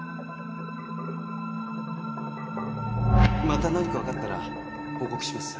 また何か分かったら報告します